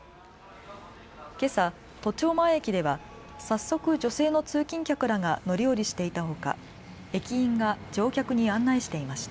けさ都庁前駅では早速、女性の通勤客らが乗り降りしていたほか駅員が乗客に案内していました。